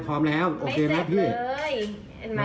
ขอบคุณพี่ไทยที่ขอบคุณพี่ไทย